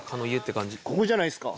ここじゃないですか？